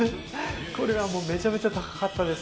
これはもうめちゃめちゃ高かったです。